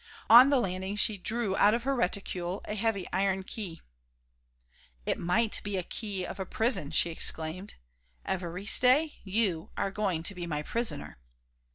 On the landing she drew out of her reticule a heavy iron key. "It might be the key of a prison," she exclaimed, "Évariste, you are going to be my prisoner."